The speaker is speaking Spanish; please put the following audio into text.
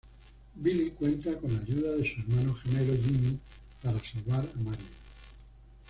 Billy cuenta con la ayuda de su hermano gemelo Jimmy para salvar a Marian.